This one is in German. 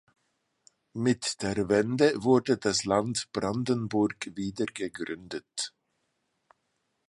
Mit der Wende wurde das Land Brandenburg wieder gegründet.